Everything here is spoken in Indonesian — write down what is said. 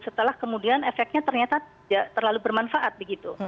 setelah kemudian efeknya ternyata tidak terlalu bermanfaat begitu